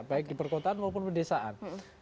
baik di perkotaan maupun di pendesaan